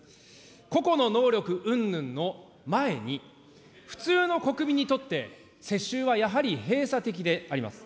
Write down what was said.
個々の能力うんぬんの前に、普通の国民にとって、世襲はやはり閉鎖的であります。